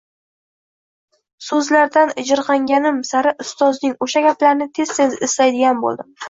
so’zlaridan ijirg’anganim sari ustozning o’sha gaplarini tez-tez eslaydigan bo’ldim.